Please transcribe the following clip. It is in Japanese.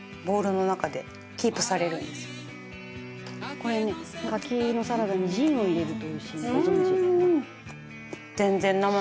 「これね柿のサラダにジンを入れるとおいしいのご存じ？」